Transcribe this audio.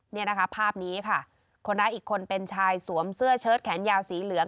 เนี่ยนะคะภาพนี้ค่ะคนร้ายอีกคนเป็นชายสวมเสื้อเชิดแขนยาวสีเหลือง